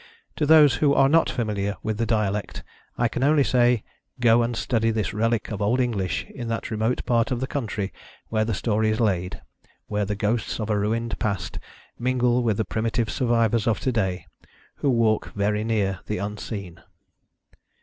To those who are not familiar with the dialect, I can only say, "Go and study this relic of old English in that remote part of the country where the story is laid, where the ghosts of a ruined past mingle with the primitive survivors of to day, who walk very near the unseen."